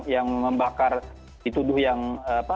yang membakar dituduh yang